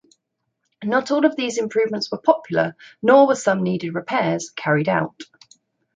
Not all of these improvements were popular, nor were some needed repairs carried out.